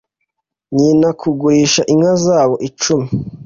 nyina kugurisha inka zabo icumi